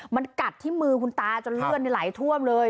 มันกัดที่มือคุณตาจนเลือดไหลท่วมเลย